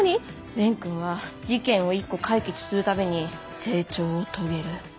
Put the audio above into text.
蓮くんは事件を１個解決する度に成長を遂げる。